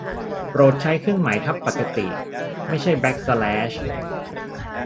โปรดใช้เครื่องหมายทับปกติไม่ใช่แบ็กสแลช